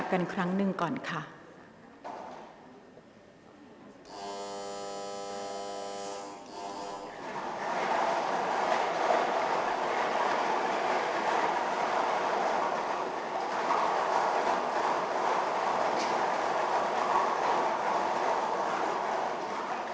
กรรมการท่านที่ห้าได้แก่กรรมการใหม่เลขเก้า